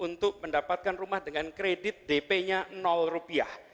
untuk mendapatkan rumah dengan kredit dp nya rupiah